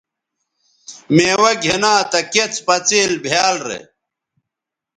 میوہ گِھنا تہ کڅ پڅئیل بھیال رے